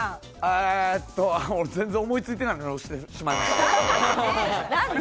俺全然思いついてないまま押してしまった。